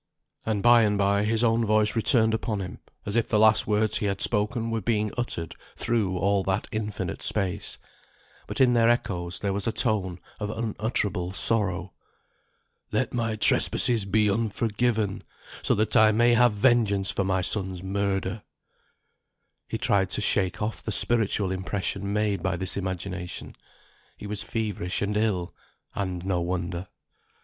And by and by his own voice returned upon him, as if the last words he had spoken were being uttered through all that infinite space; but in their echoes there was a tone of unutterable sorrow. "Let my trespasses be unforgiven, so that I may have vengeance for my son's murder." He tried to shake off the spiritual impression made by this imagination. He was feverish and ill, and no wonder.